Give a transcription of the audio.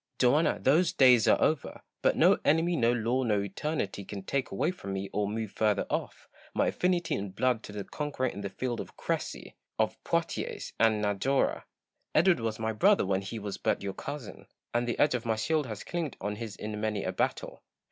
Joanna, those days are over ! But no enemy, no law, no eternity can take away from me, or move further off, my affinity in blood to the conqueror in the field of Crecy, of Poitiers, and Najora. Edward was my brother when he was but your cousin; and the edge of my shield has clinked on his in many a battle.